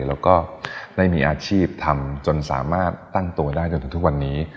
แล้วก็ได้มีอาชีพทำจนสามารถตั้งตัวได้จนถึงทุกวันนี้